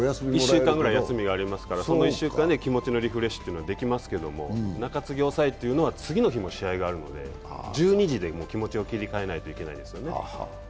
１週間くらい休みがありますからその１週間で気持ちのリフレッシュとかもできますけれども中継ぎ、抑えというのは次の日も試合があるので、１２時でもう気持ちを切り替えないといけないですからね。